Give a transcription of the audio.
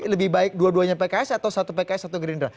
lebih baik dua duanya pks atau satu pks satu gerindra